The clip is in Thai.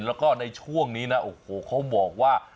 แล้วก็ในช่วงนี้นะโอ้โหเขาบอกว่า